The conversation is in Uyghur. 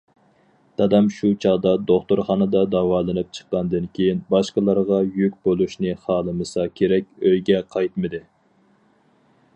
دادام شۇ چاغدا دوختۇرخانىدا داۋالىنىپ چىققاندىن كېيىن، باشقىلارغا يۈك بولۇشنى خالىمىسا كېرەك، ئۆيگە قايتمىدى.